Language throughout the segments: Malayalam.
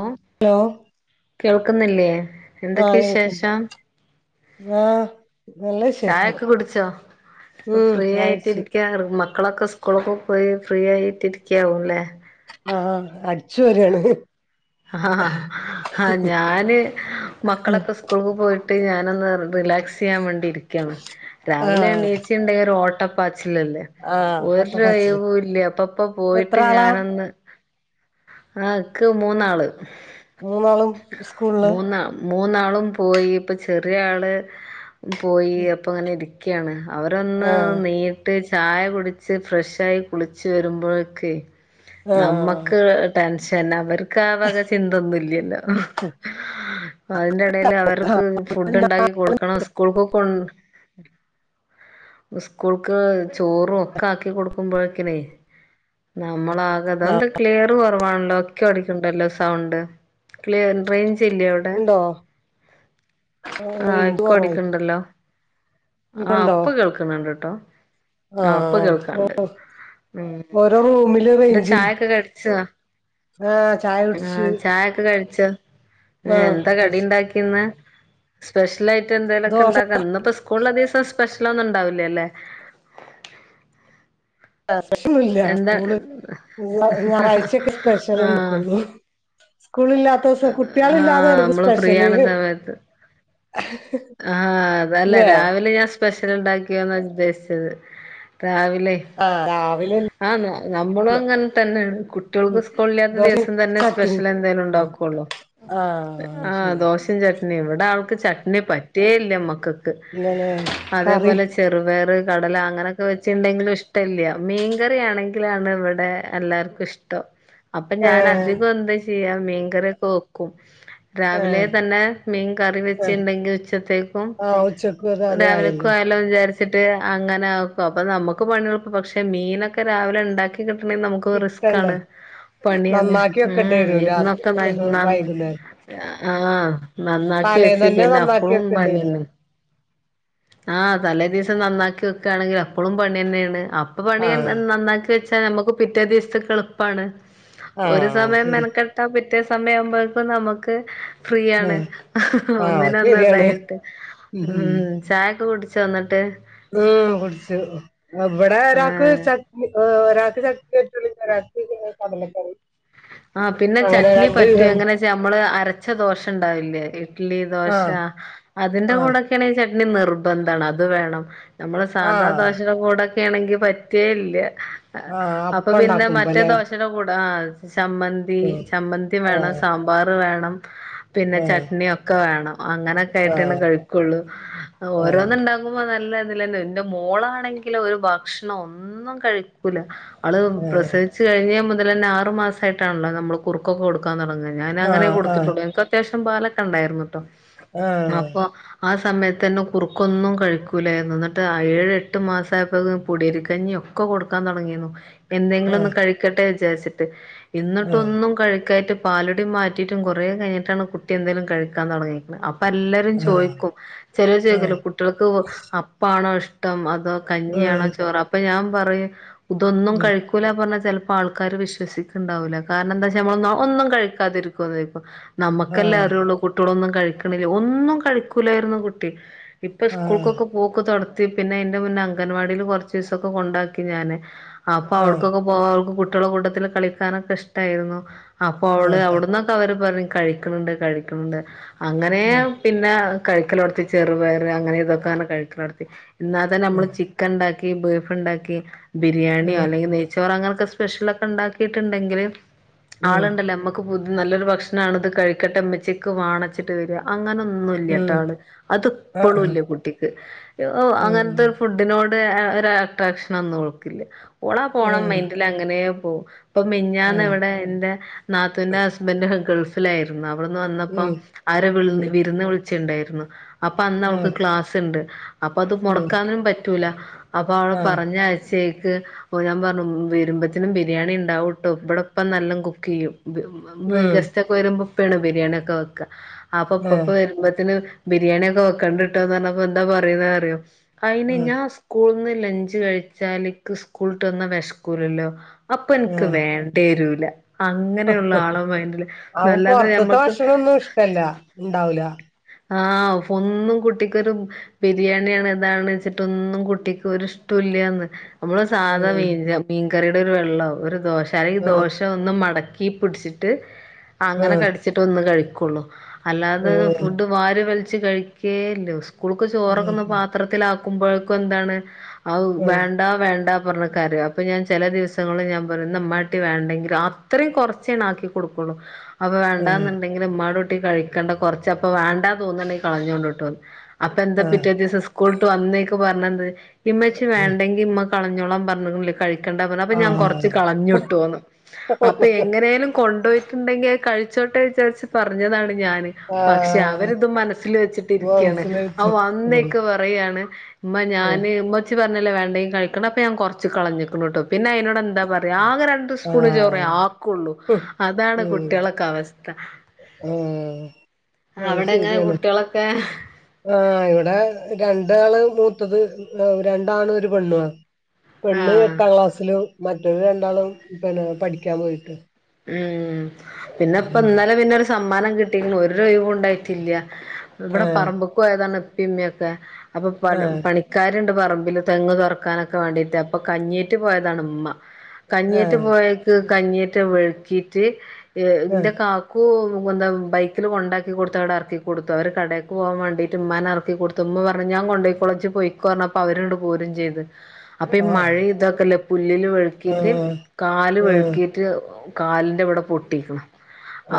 ഉം ലോ കേൾക്ക്ന്നില്ലേ ആഹ് കേൾക്ക്ണ്ട് ങ്ങാ ചായ ഒക്കെ കുടിച്ചോ അപ്പൊ ഉം ഫ്രീ ചായടിച്ചു ആയിട്ടിരിക്കായിരിക്ക ഉമ്മ മക്കളൊക്കെ സ്കൂളൊകും പോയി ഫ്രീ ആയിട്ടിരിക്കാവുംല്ലേ ആഹ് അടിച്ചുവാരാണ് ആഹ് ആഹ് ഞാന് മക്കളൊക്കെ സ് സ്ക്കൂള്ക്ക് പോയിട്ട് ഞാനൊന്ന് റിലാക്സ് ചെയ്യാൻ വേണ്ടി ഇരിക്കാണ് രാവിലെ ആഹ് എണീച്ച് ണ്ടകി ഒരു ഓട്ടപ്പാച്ചില്ലല്ലേ ആഹ് അത്ത പാച്ചില് ഒര്ഒയിവുല്ല ഇപ്പം ഇപ്പ എത്ര പോയിട്ട് ആളാ ഞാനൊന്ന് ആഹ് ഇക്ക് മൂന്നാള് മൂന്നാളും സ്കൂളില് മൂന്നാ മൂന്നാളും പോയി ഇപ്പ ചെറിയ ആള് പോയി അപ്പങ്ങനെ ഇരിക്കണ് അവരൊന്ന് ആഹ് നീ ട്ട് ചായ കുടിച്ച് ഫ്രഷായി കുളിച്ച് വരുമ്പോഴേക്ക് ആഹ് നമ്മക്ക് ടെൻഷന അവർക്ക് ആ വക ചിന്തൊന്നുല്ലല്ലോ അതിന്റെ എടല് അവർക്ക് ആഹ് ഫുഡ് ഉണ്ടാക്കി കൊടുക്കണം സ്കൂൾക്ക് കൊ സ്കൂൾക്ക് ചോറും ഒക്കെ ആക്കി കൊടുക്കുമ്പോഴേക്ക്ന് നമ്മളാകെത എന്താ ക്ലിയർ കുറവാണല്ലോ ഇക്ക്ടി ണ്ടല്ലോ സൗണ്ട് ക്ലിയർ റേഞ്ച് ഇല്ലേ അവിടെ ഉണ്ടോ ആഹ് റേഞ്ച് എക്കൊ കുറവായിരിക്കും അടിക്ക്ണ്ടല്ലോ ആഹ് ഇപ്പണ്ടോ ഇപ്പം കേൾക്ക്ണ് ണ്ട്ട്ടോ ആഹ് ഇപ്പ കേൾക്കാണ്ട് ഉം ഓരോ റൂമില് ഇപ്പൊ റേഞ്ച് ചായൊക്കെ കടിച്ചോ ആഹ് ചായ കുടിച്ച് ആഹ് ചായ ഒക്കെ കഴിച്ചോ ആഹ് എന്താ കടി വെച്ച് ഉണ്ടാക്കിന്ന് സ്പെഷ്യലായി്ട്ട് എന്തെങ്കിലൊക്കെ ദോശ ഉണ്ടാക്കാ ഇന്ന് ഇപ്പോ സ്കൂളിൽ സ്പെഷ്യൽ ഒന്നും ഉണ്ടാവില്ലേ ല്ലേ സ്പെഷ്യലൊന്നുല്ല എന്താ സ്കൂള് [unintelligible] ഞായറാഴ്ചയൊക്കെ സ്പെഷ്യൽ ആഹ് ഉണ്ടാക്കുള്ളൂ സ്കൂളില്ലാത്ത ദിവസം ആഹ് കുട്ടികളില്ലാതെ നമ്മള് ഫ്രീ സ്പെഷ്യല് ആവ്ണ സമയത്ത് ആഹ് അതല്ല ല്ലേ രാവിലെ ഞാൻ സ് സ്പെഷ്യൽ ഉണ്ടാക്കിയോന്ന് ഉദ്ദേശിച്ചത് രാവിലെ ആഹ് രാവിലെ ആഹ് നമ്മളും അങ്ങനെ തന്നെയാണ് ഉം കുട്ടികൾക്ക് സ്കൂളില്ലാത്ത ദോശയും ദിവസം തന്നെ ചട്ട്ണി സ്പെഷ്യൽ എന്തേങ്കലും ആഹ് ഉണ്ടാക്കോ ഉണ്ടാക്കൊള്ളു ആഹ് അയ്ശരി ചട്ടിനി ഇവിടെ ആൾക്ക് ചട്ടിനി പറ്റേയില്ല മക്കൾക്ക് ഇല്ലല്ലേ കറി അതേപോലെ ചെറുപയർ കടല അങ്ങനെയൊക്കെ വെച്ചിണ്ടെങ്കിലും ഇഷ്ടല്ല മീൻ മീൻകറി ആണെങ്കിലാണ് ഇവിടെ എല്ലാവർക്കും ഇഷ്ടം അപ്പൊ ഞൻ ഏഹ് അധികും എന്തോച്ചാൽ ചെയ്യാൻ മീൻകറി ഒക്കെ വെക്കും രാവിലെ ഏഹ് തന്നെ മീൻ കറി ഏഹ് വെച്ചിണ്ടെങ്കിൽ ഉച്ചത്തേക്കും ആഹ് ഉച്ചക്കും അത് അത് രാവിലക്കും ആയല്ലോ വിചാരിച്ച് ച്ചിട്ട് അങ്ങനെ ആകും നമുക്ക് പണിഒരുക്കും പക്ഷെ മീനൊക്കൊ രാവിലെ ഉണ്ടാക്കി തിന്ന്ട്ട്ണ്ടകിൽ നമുക്കും റിസ്ക് കിട്ടണ്ടേ ആണ് പണിയാണ് നന്നാക്കി വെക്കേണ്ടി ഉം വരും രാത്രി ഇരുന്നത്ത നയ് നാൾ വൈകുന്നേരം ആഹ് നന്നാക്കി തലേന്ന് വെച്ച് തന്നെ കഴിഞ്ഞാൽ നന്നാക്കി അപ്പളും വെക്കേണ്ടി വരും പണിതന്നെ ആഹ് തലേ ദിവസം നന്നാക്കി വെക്കുകയാണെങ്കിൽ അപ്പോഴും പണി തന്നെയാണ് അപ്പൊ പണി ആഹ് നന്നാക്കി വെച്ച് വെച്ചാ നമുക്ക് പിറ്റേ ദിവസത്തെക്ക് എളുപ്പാണ് ഒരു ആഹ് സമയം ശരി മെനക്കട്ടാൽ ട്ടാൽ പിറ്റേ സമയം ആവുമ്പോഴേക്കും നമുക്ക് ഫ്രീ ആണ് ആഹ് ആഹ് ഒന്നിന് ശരിയാണ് ഒന്നതായിട്ട് ഉം ചായക്കെ കുടിച്ചോ എന്നട്ട് ഉം കുടിച്ചു ഇവിടെ ഒരാക്ക് ആഹ് ച ആഹ് ഒരാക്ക് ചട്ടിനി പറ്റൂല ഒരാക്ക് കടലക്കറി ആഹ് പിന്നെ അങ്ങനെ ചട്നി രണ്ട് പറ്റൂ വിധം എങ്ങനെച്ചാ നമ്മള് അരച്ച ദോശ ഉണ്ടാവില്ലേ ഇഡ്ലി ദോശ ആഹ് അതിന്റെ ആഹ് കൂടൊക്കെണെിൽ ചട്നി നിർബന്താണ് അത് വേണം നമ്മള സാധാ ആഹ് ദോശടെ കൂടൊക്കെണെങ്കി പറ്റേല്ല ആഹ് അപ്പൊ അപ്പം പിന്നെ മറ്റേ ഉണ്ടാക്കുമ്പല്ലേ ദോശടെ കൂടെ ആഹ് ചമ്മന്തി ഉം ചമ്മന്തി വേണം ആഹ് സാമ്പാറ് വേണം പിന്നെ ആഹ് ചട്നിയൊ ക്കെ വേണം അങ്ങനെക്കെ ഏയിട്ടെണ് കഴിക്കൊള്ളൂ ആഹ് ഓരോന്ന്ണ്ട കുമ്പ നല്ലതിലന്നെ എന്റെ മോളാണെങ്കിലോ ഒരു ഭക്ഷണോ ഒന്നും കഴ കൂല, അവള് ആഹ് പ്രസവിച്ചു കഴിഞ്ഞെ മുതല്ന്നെ ആറ് മാസ ആയിട്ടാണല്ലോ നമ്മള് കുറുക്കൊക്കെ കൊടുക്കാൻ തൊടങ്ങത്. ഞാനങ്ങനെ ആഹ് കൊടുത്തിട്ടുള്ളൂ ഞങ്ങക്കത്യാവശ്യം പാലൊക്കെ ഉണ്ടായിരുന്നു കേട്ടോ ആഹ് ആഹ് അപ്പൊ ആഹ് സമയതെന്നെ കുറുക്കൊന്നും കഴിക്കൂലായിരുന്നു എന്നിട്ട് ആഹ് ഏഴ് എട്ട് മാസമായപ്പോക്ക് പൊടിയരികഞ്ഞിയോ? ക്കൊ കൊടുക്കാൻ തൊടങ്ങിന്നു. എന്തെങ്കിലൊന്ന് ആഹ് കഴിക്കട്ടെ വിചാരിച്ചിട്ട് ആഹ് ഇന്ന്ട്ടൊന്നും കഴിക്കായിട്ട് പാലുടി മാറ്റിയിട്ടും കൊറെ കഴിഞ്ഞട്ടാണ് കുട്ടി എന്തേലും കഴിക്കാ തൊടങ്ങീക്ക്ണ് അപ്പല്ലരു രും ആഹ് ചോയിക്കും ചെലേ ചെയകാലൊ ആഹ് കുട്ടള്ക്ക് അപ്പാണോ ഇഷ്ടം അത കഞ്ഞിയാണോ? ആഹ് ചോറ് അപ്പൊ ഞാൻ പറയും ഇതൊന്നും ഉം ഉം കഴിക്കൂല പറഞ്ഞാ ചിലപ്പോ ആൾക്കാര് വിശ്വസിക്കും ണ്ടാവില്ല കാരണം എന്താച്ച നമ്മളൊന്നും ഒന്നും കഴിക്കാതിരിക്കൊ നോയ്ക്കും നമുക്കെല്ലാം ആഹ് അറിള്ളു കുട്ട്യോളൊന്നും കഴിക്കണില്ല ഒന്നും കഴിക്കൂലായിരുന്നു കുട്ടി ഇപ്പൊ സ്കൂൾക്കൊക്കെ പോക്ക് തൊടത്തി പിന്നെ അയിന്റെ മുന്നേ അങ്കൻവാടില് കൊറച്ചീസൊക്കെ കൊണ്ടാക്കി ഞാന് അപ്പൊ ആഹ് അവിടക്കൊക്കെ ആഹ് അവൾക്ക് കുട്ട്യേള കൂട്ടത്തില് കളിക്കാനൊക്കെ ഷട്ടായിരുന്നു. അപ്പോ വള് ആഹ് ആഹ് അവിടന്നൊ അവര് പറഞ്ഞഞ് കഴിക്കണണ്ട് കഴിക്കണണ്ട് അങ്ങനെ ഉം പിന്നെ കഴിക്കലൊടത്തി ചെറു പയറ് അങ്ങനെ ഇതൊക്കെ കഴിക്കലൊടത്തി ഇന്നാ തന്നെ നമ്മള് ച്ചി ക്കൻ ണ്ടാക്കി ബീഫ് ണ്ടാക്കി ബിരിയാണിയോ ഉം അല്ലെങ്കി നെയ്ച്ചോറ ങ്ങനൊക്കെ സ്പെഷ്യലൊക്കെ ണ്ടാക്കി കീട്ടുണ്ടെങ്കില് ഉം ഉം ആളുണ്ടല്ലോ നമ്മക്ക് ബു നല്ലൊരു ഭക്ഷണാണ്ത് കഴിക്കട്ട മ്മച്ചിക്ക് വാണ ച്ചിട്ട് വരാ അങ്ങനൊന്നും ഇല്ല്യ ഉം ട്ടാവള് അത് ആഹ് ഇപ്പളുല്ല കുട്ടിക്ക്. എ ഔ ഉം അങ്ങനത്തെരു ഫുഡ് ഫുഡിനോട് ആ ഒര അട്രാക്ഷനൊന്നും ഓൾക്കില്ല ഓളാ പോണ ഏഹ് മൈൻഡിലങ്ങനെ പോവും. പ്പം മിഞാന്ന് ഏഹ് ഇവിടെ എന്റെ നാത്തുവിന്റെ ഹസ്ബന്റും ഗൾഫ ഫിലായിരുന്നു അവിടെന്ന് വന്നപ്പോ ഉം അരോ വിൾ ഉം വിരുന്ന് വിളിച്ചിണ്ടായിരുന്നു. അപ്പൊ അന്നവൾക്ക് ആഹ് ക്ലാസ്സ്ണ്ട്. അപ്പൊ അത് ഉം മൊടക്കാനും പറ്റൂല അപ്പൊ അവടെ ആഹ് പറഞ്ഞയ ച്ചയ്ക്ക് ഓ ഞാൻ പറഞ്ഞു വരുമ്പത്തിനും ബിരിയാണി ൻ ണ്ടാവുട്ടോ? ഇബടപ്പ നല്ല കുക്കിയ്യും ഉം ഗസ്റ്റ്‌ ഒക്കെ വരുമ്പോപ്പേണ് ബിരിയാണിയക്കെ വെക്ക ആപ്പോ ഇപ്പപ്പാ ആഹ് വരുമ്പോത്തിന് ബിരിയാണിയൊക്കെ വെക്കാണ്ടിട്ടോന്നറഞ്ഞപ്പോ എന്താ പറീണ്റിയോ? അയിന് ആഹ് ഞ സ്കൂള്ന്ന് ലഞ്ച് കഴിച്ചാല് ക്ക് സ്കൂള്ട്ട് വന്ന വെശക്കൂലല്ലോ? അപ്പ ൻക്ക് ആഹ് വേണ്ടേ വെരൂല അങ്ങനെയുള്ള ആള മെയ്ന്റില് നല്ലാതെ നഞമ്മക്ക് ക്കു ഷ്ടല്ല ണ്ടാവൂല്ല ആഹ് ഒന്നും കുട്ടിക്കൊരു, ബിരിയാണിയാണ് താണ് ചിട്ടൊന്നും കുട്ടിക്ക് ഒരിഷ്ട്ടൊല്ല്യാന്ന്. നമ്മള് സാധാ ഉം മീൻ മീൻകറിടൊരു വെള്ളോ ഒരു ദോശ അല്ലെങ്കി ഉം ദോഷ ഒന്ന് മടക്കി പിടിച്ചിട്ട് അങ്ങനെ ഉം കടിച്ചിട്ടൊന്ന് കഴിക്കൊള്ളു. അല്ലാതെ ത് ഉം വാരി വലിച്ച് കഴിക്കേല്ലോ? സ്കൂള്ക്ക് ചോറൊക്കൊന്ന് ഉം പാത്രത്തിലാക്കുമ്പോഴക്കും ന്താണ് ആഹ് വേൺ ണ്ടാ വേണ്ട പറഞ് കാരിം അപ്പൊ ഞാൻ ചില ദിവസങ്ങളും ഞാൻ പറി ന്നാമ്മാട്ടി വേണ്ടെങ്കിൽ ആ അത്രി കൊറച്ചേന്നാക്കി കൊടുക്കുള്ളൂ അപ്പൊ ഉം വേണ്ടാന്നുണ്ടെങ്കിൽ മ്മാടുട്ടി കഴിക്കണ്ട കൊറച്ചപ്പ വേണ്ട തോന്നണ്ടെങ്കി കളഞ്ഞോണ്ടിട്ടൊന്ന്. അപ്പൊ എന്താ ഉം ആഹ് പിറ്റേ ദിവസം സ്കൂളട്ട് വന്നേയ്ക്ക് പറഞ്ഞത് ഇമ്മച്ചി ഉം വേണ്ടെങ്കി മ്മക്ക് കളഞ്ഞോള പറഞ്ഞകുണുല്ലെ കഴിക്കണ്ട പറഞ് അപ്പൊ ഞാൻ കൊറച്ച് ആഹ് കളഞ്ഞു ട്ടോന്ന് അപ്പൊ എങ്ങനെലും കൊണ്ടോയി ട്ടുണ്ടെങ്കി അത് കഴിച്ചോട്ടേ ചാരിച്ച് പറഞ്ഞതാണ് ഞാന് പക്ഷെ ആഹ് അവരിത് മനസ്സിൽ വെച്ചിട്ടിരിയ്ക്കയാണ് മനസ്സിലായിച്ച് അവൻ ഉം വന്നേയ്ക് പറയാണ് മ്മ ഉം ഞാനെ മ കു പറഞ്ഞല്ലേ വേണ്ടങ്ക കഴിക്കണ അപ്പ ഞാൻ കുറച്ച് കളഞ്ഞിക്കുണു ട്ടൊ അപ്പൊ പിന്നെ അയിനോട് എന്താ പറയാ ആക രണ്ട് ഒരു സ്പൂണ് ചോറെ ആഹ് ആക്കുള്ളൂ, ഉം അതാണ് കുട്ടികളക്ക അവസ്ഥ. ഉം അവിടെങ്ങനെ കുട്ടികളൊക്കെ? ആഹ, ഇവിടെ രണ്ടാള് മൂത്തത് രണ്ടാണ് ഒരു പെണ്ണു ആണ്. പെണ്ണ് ആഹ് എട്ടാം ക്ലാസ്സിലു, മറ്റോരു രണ്ടാളും പിന്നെ പഠിക്കാൻ പോയിട്ട്. ഉം, പിന്നെ ഇപ്പ ആഹ് ഇന്നലെ പിന്നെ ഒരു സമ്മാനം കിട്ടികണ്, ഒരു ഒഴിവുണ്ടായിട്ടില്ല. ഇവിടെ ആഹ് പറമ്പക്കു പോയതാണ് ഇപ്പിമ്മക്കെ, അപ്പൊ പ പണി. ക്കാരുണ്ട് പറമ്പില് തെങ്ങ് തുറക്കാനൊക്കെ വേണ്ടീട്ട്. അപ്പൊ കഞ്ഞീറ്റ് പോയതാണ് ഉമ്മ. കഞ്ഞേറ്റ് ആഹ് പോയക്ക് കഞ്ഞേറ്റ് വെഴുക്കീയിട്ട് ഇന്റെ ആഹ് കാ കൂ എന്താ ബൈക്കിൽ കൊണ്ടാക്കി കൊടുത്തവടെ ഇറക്കി കൊടുത്തു. അവര് കടേക്ക് പോവാൻ വേണ്ടിട്ട് മ്മാനെ ഇറക്കി കൊടുത്ത തുമ്മ പറഞ്ഞു ഞാൻ കൊണ്ടേയ്ക്കോള ജ്ജി പോയിക്ക പറഞ്ഞപ്പൊ അവര്ങ്ങട് പോരും ചെയ്ത്. അപ്പൊ ഈ ആഹ് മഴയി തൊക്കല്ലേ, പുല്ല്ല് വെഴുക്കിയിട്ട് ആഹ് കാല് ആഹ് വഴുക്കിയിട്ട്... കാലിന്റെ ഇവിടെ പൊട്ടിക്ക്ണ്.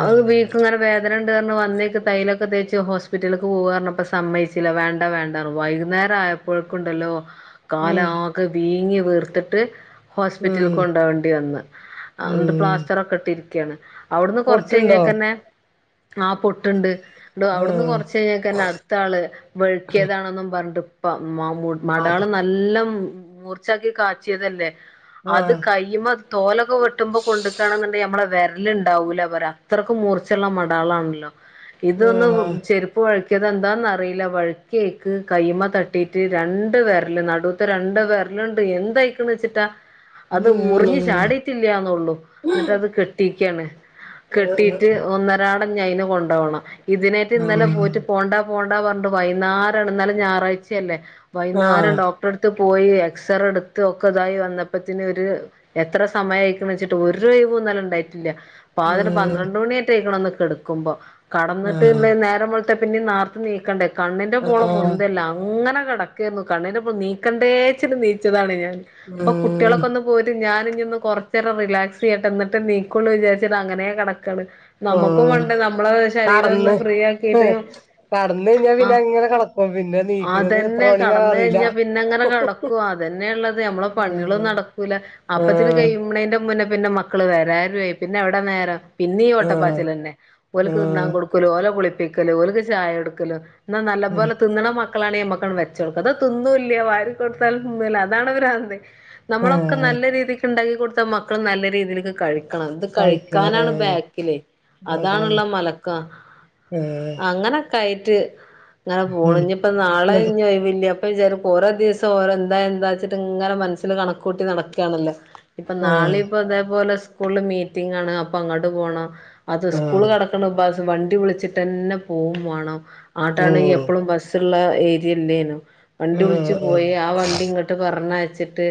അത് വീക്ക്ങ്ങനെ വേ പന്ണ്ട് ക വന്നേക്ക് തയിലൊക്കെ തേച്ച് ഹോസ്പിറ്റലിലേക്ക് പോവാന്ന് പറഞ്ഞപ്പോ സമ്മയിച്ചില്ല, വേണ്ട വേണ്ട പറഞ്ഞ വൈകുന്നേരം ആയ പുഴക്കുണ്ടല്ലോ, കാല ഉം ആകെ വീങ്ങി വീർത്തിട്ട്. ഹോസ്പിറ്റലിൽ ഉം കൊണ്ടോണ്ടി വന്ന്, ഇങ്ങെട്ട് ഉം പ്ലാസ്റ്റർ ഒക്കെ ഇട്ടിരിക്കാണ്. അവിടുന്ന് കൊറച്ച പൊട്ടുണ്ടോ കഴിഞ്ഞേക്കെന്നെ ആ പൊട്ടുണ്ട്. അവിടുന്ന് ആഹ് കുറച്ച് കഴിഞ്ഞേൽക് അടുത്ത ആള് വഴുക്കിയതാണൊന്നും പറഞ്ഞിട്ട് ഇപ്പ മ്മ മൂട അതാ മടാള് നല്ലം മൂർച്ചാക്കി കാച്ചിയതല്ലേ, അത് ആഹ് കഴിയുമ്പോ തോലൊ വട്ടുമ്പോ കൊണ്ട്.. നമ്മള വെരല് ഉണ്ടാവൂല പറയ, അത്രക് മൂർച്ചള്ള മടാളാണല്ലോ. ഇതൊന്ന് ആഹ് ചെ വഴുക്കിയതെന്താന്നറിയില്ല വഴുക്കിയേക്ക് കൈമ തട്ടിയിട്ട് രണ്ട് വെരല് നടു ത്ത രണ്ട് വെരലിണ്ട് എന്തായിക്കണ്ച്ചിട്ടാ. അത് മുറിഞ്ഞ് ഉം ചാടീട്ടില്ല്യാന്നൊള്ളു എന്നിട്ട് അത് കെട്ടീക്കണ്. ആഹ് കെട്ടീട്ട് ഒന്നരാടം ഇഞ്ഞയ്നെ കൊണ്ടോവണം ഇതിനേറ്റ് ഇന്നലെ പോയിട്ട് പോവണ്ട പോവണ്ട പറഞ്ഞിട്ട് വൈന്നാരണ് ഇന്നലെ ഞായറാഴ്ച്ചയല്ലേ വൈന്നാരം ആഹ് ഡോക് ക്ട്റടുത്ത് പോയി എക്സറ എടുത്ത് ഒക്കെ ഇതായി വന്നപ്പത്തിന് ഒര് എത്ര സമയായിരിക്കണ്ച്ചിട്ട് ഒരൊഴിവും ഇന്നലെ ഇണ്ടായിട്ടില്ല. പാതിര ഉം പന്ത്രണ്ട് മണീറ്റെ ആയിക്കണു ഒന്ന് കെടക്കുമ്പ കടന്നിട്ട് ആഹ് ഇനി നേരം വെളുത്ത പിന്നെ നാർത്ത് എനീക്കണ്ടേ കണ്ണിന്റെ പോള ആഹ് പൊന്തല്ല അങ്ങനെ കിട ക്കേർന്നു കണ്ണിന്റപ്പ നീക്കണ്ടേച്ചിട്ട് നീച്ചതാണ് ഞാൻ അപ്പൊ ഉം കുട്ടികളൊക്കൊന്ന് പോയിട്ട് ഞാനഞ്ഞി ഒന്ന് കൊറച്ചേരം റിലാക്സ് ചെയ്യട്ടെ എന്നിട്ട് നീക്കൊള്ളു വിചാരിച്ചിട്ട് അങ്ങനേ കിടക്കാണ് നമുക്കും ആഹ് വേണ്ടേ നമ്മള ശരീരം ഒന്ന് കടന്ന് ഫ്രീ ഏ ആക്കീട്ട്. കടന്ന് കഴിഞ്ഞാ പിന്നെ ആഹ് അങ്ങനെ കെടക്കും പിന്നെ നീക്കുന്നത് എത്ര അതന്നെ മണിക്കാ കെടന്ന് അറിയില്ല കഴിഞ്ഞാ പിന്നെ അങ്ങനെ കെടക്കുവ. അതന്നെ എള്ളത് ഞമ്മളെ പണികള് ഉം നട ക്കൂല. അപ്പത്തിന് ആഹ് കഴിയുമ്മണേ മുന്നെ പിന്നെ മക്കള് വരാറുവായി പിന്നെവിട നേരം പിന്നീ ആഹ് ഒട്ടപ്പാച്ചിലന്നെ ഓൽക്ക് തിന്നാൻ ആഹ് കൊടു ക്കല് ഓല കുളപ്പിക്കല് ഓലിക്ക് ചായ എടുക്കല് എന്നാ നല്ലം ഉം പോലെ തിന്നണ മ ക്കളാണെ ഇമ്മക്കാണ്ട് വെച്ചോട്ക്ക ഇത് തിന്നൂല്യ വാരി കൊടുത്താലും തിന്നൂല അതാണ് പ്രാന്ത് നമ്മളൊക്കെ ആഹ് നല്ല രീതിക്ക് ഇണ്ടാക്കി കൊടുത്താ മക്കള് നല്ല രീതിൽക്ക് കഴി ക്കണം ഇത് കഴിക്കണം കഴിക്കാനാണ് ആഹ് ബാക്കില് അതാണിള്ള മലക്ക. ഏഹ് കയ്ട്ട് ഇങ്ങനെ പോണ്. ഇഞ്ഞിപ്പൊ നാളെ ന്നട്ട് ഇഞ്ഞി വില്യാ അപ്പ വിചാരം ഓരോ ദിവസം ഓരോ എന്താ എന്താച്ചിട്ട് ഇങ്ങനെ മനസ്സില് കണകൂട്ടി നടക്ക്യാണല്ലോ. ഇപ്പം ആഹ് നാളിപ്പൊ ഇതേപോലെ സ്കൂൾല് മീറ്റിംങ്ങാണ് അപ്പൊ അങ്ങോട്ട് പോണം അത് സ്കൂള് ആഹ് കട ക്കണ് ബസ് വണ്ടി വിളിച്ചിട്ടന്നെ പോവും വേണം ആട്ടാണെങ്കി ഓഹ് എപ്പളും ബസ് സിള്ള ഏരിയല്ലേനും വണ്ടി ആഹ് വിളിച്ച് ആഹ് പോയി ആ വണ്ടി ഇങ്ങട്ട് പറഞ്ഞയച്ചിട്ട്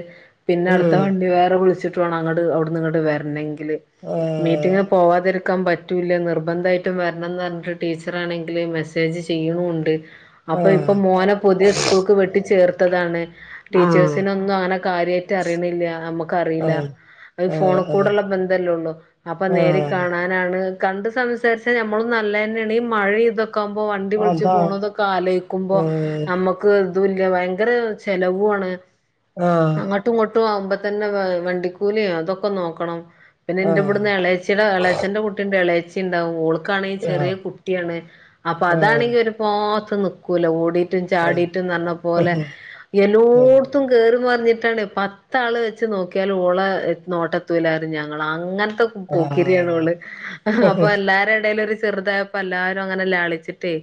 പിന്നെ അടുത്ത ഉം വണ്ടി വേറെ വിളിച്ചിട്ട് വേണം അങ്ങട് അവിടുന്ന് ഇങ്ങട് വരണെങ്കില്. ആഹ് മീറ്റിങ്ങ് പോവാതിരു ക്കാൻ പറ്റൂല നിർബന്ധയിട്ടും വരണംന്ന് പറഞ്ഞിട്ട് ടീച്ചറാണെങ്കില് മെസ്സേജ് ചെയ്യണു ഉണ്ട് അപ്പൊ ആഹ് ഇപ്പൊ മോനെ പുതിയ സ്കൂൾക്ക് വെട്ടി ചേർത്തതാണ്. ആഹ് ടീച്ചേഴ്സിനൊന്നും അങ്ങനെ കാര്യായിട്ട് അറിയണില്ല ആഹ് നമുക്കറിയില്ല ആഹ് അതി ആഹ് ഫോണിക്കൂടെള്ള ബന്ധല്ലേ ഒള്ളു അപ്പൊ നേരി ആഹ് കാണാ നാണ്‌ കണ്ട് സംസാരിച്ച ഞമ്മള് നല്ലന്നെയാണ് ഈ മഴ ഇതൊ ക്കാവുമ്പൊ വണ്ടി വിളിച്ച് അതാ പോണതൊക്കെ ആലോയ്ക്കുമ്പോ ഉം നമ്മ ക്ക്‌ ഇതു ഇല്ല ഭയങ്കര ചെലവുവാണ് ആഹ് അങ്ങട്ടും ഇങ്ങട്ടും ആവുമ്പോ തന്നെ വ വണ്ടിക്കൂലി അതൊക്കെ നോക്കണം പിന്നെ ആഹ് എന്റെവിടുന്ന് ഇളേച്ചിയുടെ എളേച്ചന്റെ കുട്ടി ഉണ്ട് എളേച്ചി ഇണ്ടാവും ഓള് ക്കാണേ ആഹ് ചെറിയ കുട്ടിയാണ് അപ്പൊ ആഹ് അതാണെങ്കി ഒരു ഭാഗത്ത് നി ക്കൂല ഓടിട്ടും ചാടിട്ടും ന്നർഞ്ഞ പോലെ ആഹ് എല്ലോട്ത്തും കേറി മറിഞ്ഞിട്ടാണ് പത്താള് വെച്ച് നോക്കിയാലും ഓളെ നോട്ടെത്തൂലാര്ന്ന് ഞങ്ങള് അങ്ങനത്തെ പോക്കരിയാണോള് അപ്പൊ ആഹ് എല്ലാരെടേലും ഒരു ചെറുതായ പ്പെല്ലാരും അങ്ങനെ ലാളിച്ചിട്ടേ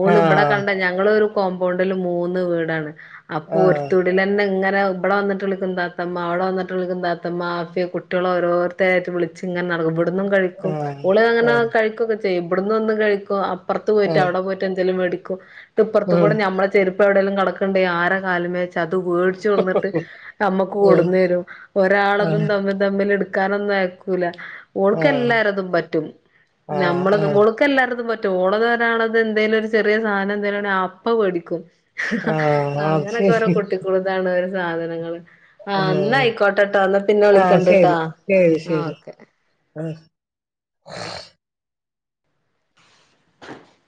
ഓളിവിടെ ആഹ് കണ്ട ഞ ങ്ങളൊരു ഒരു കോംബോണ്ടില് മൂന്ന് വീടാണ് അപ്പൊ ഒരു ആഹ് [unintelligible] ലന്നെ ഇങ്ങനെ ഇവിടെ വന്നട്ട് വിളിക്കും തത്തമ്മ അവിടെ വന്നിട്ട് വിളിക്കും തത്തമ്മാ കുട്ടികളോരുത്തരാട്ട് വിളിച്ച് ഇങ്ങനെ നടക്കും ഇവിടുന്നും കഴിക്കും ആഹ് ഓള് അങ്ങനെ ആഹ് കഴിക്കോക്കെ ചെയ്യും ഇവിടിന്നൊന്ന് കഴിക്കും അപ്പറത്ത് പോയിട്ട് ആഹ് അവിടെ പോയിട്ട് എന്തേലും മേടിക്കും എന്നിട്ട് ഇപ്പുറത്ത് ഉം കൂടെ ഞമ്മളെ ചെരു പ്പെവിടെങ്കിലും കെടക്കെണ്ടേ ആരെ കാലിമേ ച്ചത് വേടിച്ചു കൊണ്ടന്നിട്ട് നമ്മക്ക് ഉം കൊണ്ടന്ന് തരും ഒരാളെ ആഹ് തമ്മിൽ എടുക്കാനൊന്നും അയക്കൂല ആഹ് ഓള്ക്കെല്ലാരതും പറ്റും ആഹ് നമ്മളത് ആഹ് ഓള് ക്കെല്ലാർതും പറ്റും ഓളതരാണത് എന്തേലും ഒരു ചെറിയ സാധനം എന്തേലും ഇണ്ടെ അപ്പവേടിക്കും ആഹ് അത് അങ്ങനൊക്കെ ഓരോ ശരി കുട്ടിക്കുറു താണ് ഒര് സാധനങ്ങള് ആഹ് ന്നായിക്കോട്ടട്ടോ ആഹ് ശരി ശരി ശരി ആഹ്